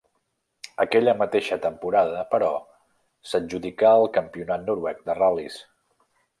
Aquella mateixa temporada, però, s'adjudicà el Campionat noruec de ral·lis.